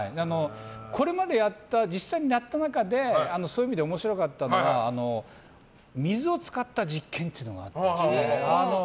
これまで実際にやった中でそういう意味で面白かったのは水を使った実験があって。